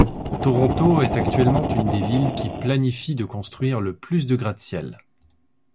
Toronto est actuellement une des villes qui planifie de construire le plus de gratte-ciel.